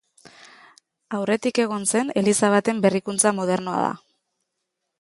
Aurretik egon zen eliza baten berreraikuntza modernoa da.